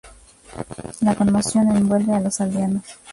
La conmoción envuelve a los aldeanos.